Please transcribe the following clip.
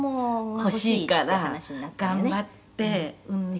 「欲しいから頑張って産んで」